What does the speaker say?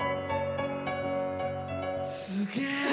すげえ。